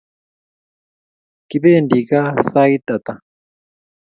Kipendi kaa sait ata?